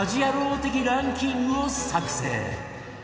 的ランキングを作成